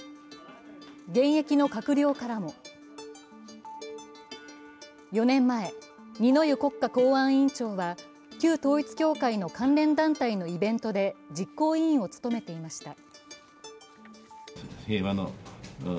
現役の閣僚からも４年前、二之湯国家公安委員長は旧統一教会の関連団体のイベントで実行委員を務めていました。